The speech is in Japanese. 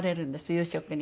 夕食に。